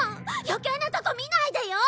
余計なとこ見ないでよ！